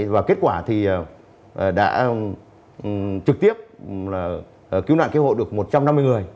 và kết quả thì đã trực tiếp cứu nạn cứu hộ được một trăm năm mươi người